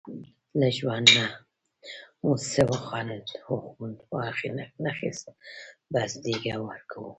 له ژوند نه مو څه وخوند وانخیست، بس دیکه ورکوو.